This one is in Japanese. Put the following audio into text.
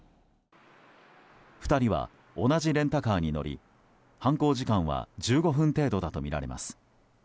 ２人は同じレンタカーに乗り犯行時間は１５分程度だとみられます。